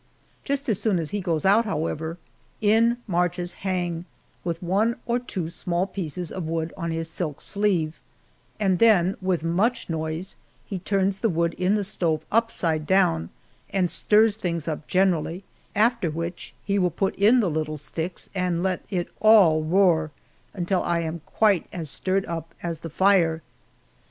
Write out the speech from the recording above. Just as soon as he goes out, however, in marches Hang, with one or two small pieces of wood on his silk sleeve, and then, with much noise, he turns the wood in the stove upside down, and stirs things up generally, after which he will put in the little sticks and let it all roar until I am quite as stirred up as the fire.